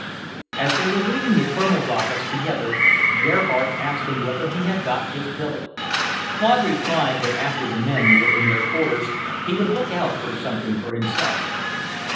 As they were leaving the Colonel's office together, Gerhardt asked him whether he had got his billet. Claude replied that after the men were in their quarters, he would look out for something for himself.